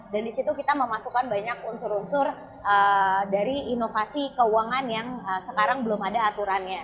dan di situ kita memasukkan banyak unsur unsur dari inovasi keuangan yang sekarang belum ada aturannya